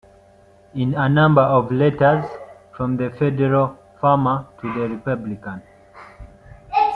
In a Number of Letters from the Federal Farmer to the Republican.